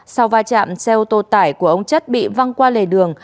sau va chạm xe ô tô tải của ông chất bị văng qua lề đường